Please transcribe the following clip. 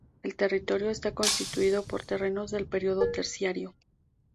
El territorio está constituido por terrenos del periodo terciario.